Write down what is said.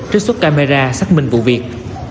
trích xuất camera xác minh vụ việc